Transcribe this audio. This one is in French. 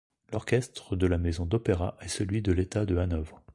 L'orchestre de la maison d'opéra est celui de l'État de Hanovre.